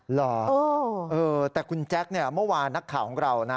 เหรอแต่คุณแจ๊คเนี่ยเมื่อวานนักข่าวของเรานะ